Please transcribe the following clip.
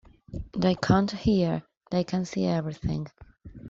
They can't hear, they can see everything.